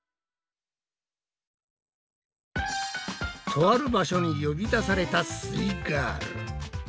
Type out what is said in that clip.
とある場所に呼び出されたすイガール。